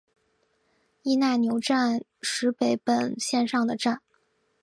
伊奈牛站石北本线上的站。